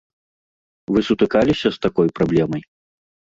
Вы сутыкаліся з такой праблемай?